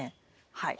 はい。